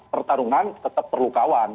pertarungan tetap perlu kawan